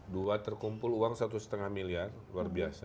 dua terkumpul uang satu lima miliar luar biasa